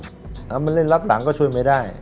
เอามาเล่นรับหลังก็ช่วยไม่ได้